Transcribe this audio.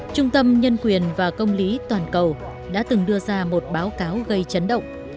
trung tâm nhân quyền và công lý toàn cầu đã từng đưa ra một báo cáo gây chấn động